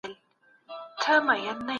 افغان بریدګرو د صفوي لښکر ضعف څرګند کړ.